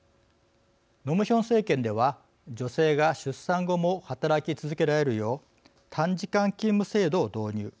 ノ・ムヒョン政権では女性が出産後も働き続けられるよう短時間勤務制度を導入。